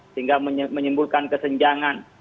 sehingga menyimpulkan kesenjangan